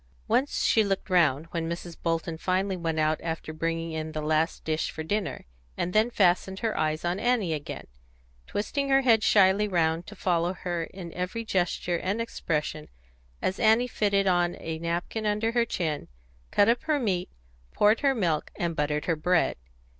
Once she looked round, when Mrs. Bolton finally went out after bringing in the last dish for dinner, and then fastened her eyes on Annie again, twisting her head shyly round to follow her in every gesture and expression as Annie fitted on a napkin under her chin, cut up her meat, poured her milk, and buttered her bread.